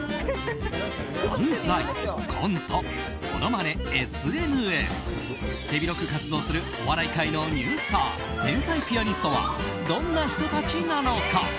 漫才、コント、ものまね、ＳＮＳ手広く活動するお笑い界のニュースター天才ピアニストはどんな人たちなのか？